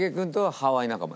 ハワイ仲間。